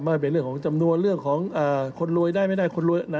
ไม่เป็นเรื่องของจำนวนเรื่องของคนรวยได้ไม่ได้คนรวย